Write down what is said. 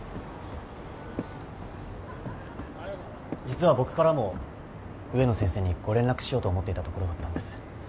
実は僕からも植野先生にご連絡しようと思っていたところだったんです。